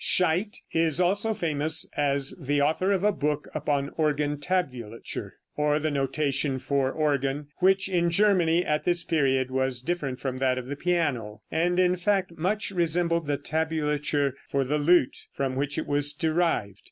Scheidt is also famous as the author of a book upon organ tabulature, or the notation for organ, which in Germany at this period was different from that of the piano, and in fact much resembled the tabulature for the lute, from which it was derived.